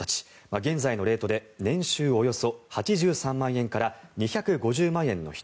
現在のレートで年収およそ８３万円から２５０万円の人